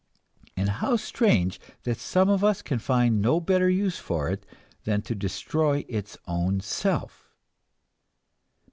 And how strange that some of us can find no better use for it than to destroy its own self!